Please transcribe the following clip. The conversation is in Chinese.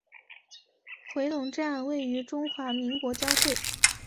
回龙站位于中华民国交会。